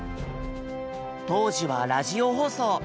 当時はラジオ放送。